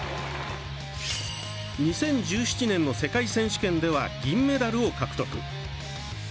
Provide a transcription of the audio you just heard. ２０１７年の世界選手権では銀メダルを獲得。